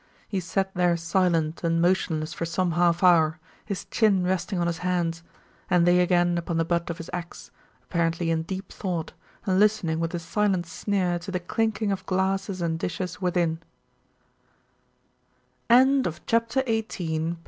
He sat there silent and motionless for some half hour, his chin resting on his hands, and they again upon the butt of his axe, apparently in deep thought, and listening with a silent sneer to the clinking of glasses and dishes within.